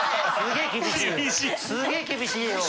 すげぇ厳しいよ。